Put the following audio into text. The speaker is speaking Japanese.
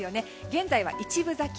現在は一分咲き。